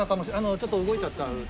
ちょっと動いちゃった。